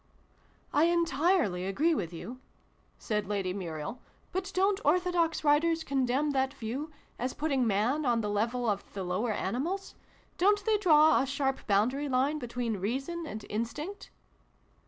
" I entirely agree with you," said Lady Muriel : "but don't orthodox writers condemn that view, as putting Man on the level of the lower animals ? Don't they draw a sharp boundary line between Reason and Instinct?"